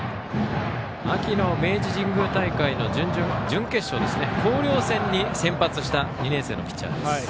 秋の明治神宮大会準決勝の広陵戦に先発した２年生ピッチャー。